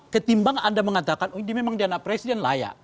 ketimbang anda mengatakan ini memang dia anak presiden layak